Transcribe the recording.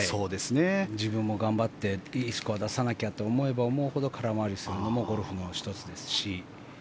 自分も頑張っていいスコアを出さなきゃって思えば思うほど空回りするのもゴルフの１つですし。